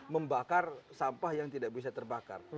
membakar sampah yang tidak bisa terbakar